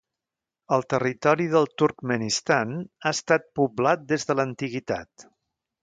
El territori del Turkmenistan ha estat poblat des de l'antiguitat.